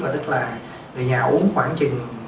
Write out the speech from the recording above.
tức là người nhà uống khoảng chừng